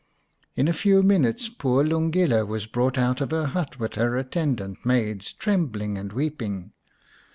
In a few minutes poor Lungile was brought out of her hut with her attendant maids, trembling and weeping.